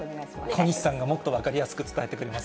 小西さんがもっと分かりやすく伝えてくれます。